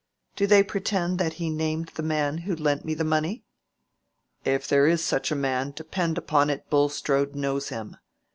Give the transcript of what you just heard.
Do they pretend that he named the man who lent me the money?" "If there is such a man, depend upon it Bulstrode knows him.